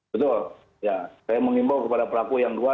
betul ya saya mengimbau kepada pelaku yang dua